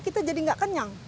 kita jadi tidak kenyang